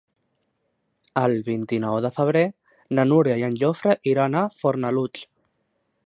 El vint-i-nou de febrer na Núria i en Jofre iran a Fornalutx.